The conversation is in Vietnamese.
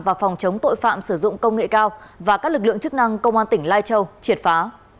và phòng chống tội phạm sử dụng công nghệ cao và các lực lượng chức năng công an tỉnh lai châu triệt phá